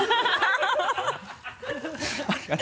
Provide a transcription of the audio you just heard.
ハハハ